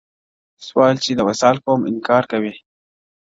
ســـوال چــــې د وصـــال کوم انـکار کوي